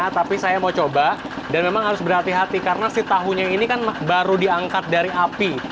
tapi saya mau coba dan memang harus berhati hati karena si tahunya ini kan baru diangkat dari api